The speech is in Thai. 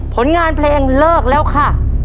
ผลงานเพลงเลิกแล้วค่ะ